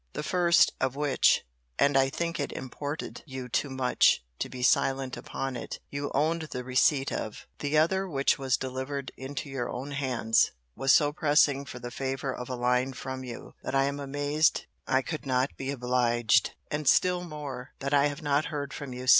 the first* of which [and I think it imported you too much to be silent upon it] you owned the receipt of. The other which was delivered into your own hands, was so pressing for the favour of a line from you, that I am amazed I could not be obliged; and still more, that I have not heard from you since.